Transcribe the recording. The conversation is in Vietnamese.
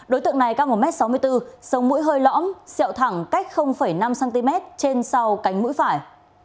đối tượng này cao một m sáu mươi bốn sống mũi hơi lõm sẹo thẳng cách năm cm trên sau cánh mũi phải